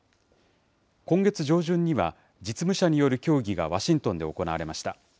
今月上旬には、実務者による協議がワシントンで行われました。